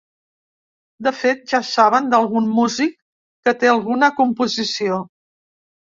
De fet ja saben d’algun músic que té alguna composició.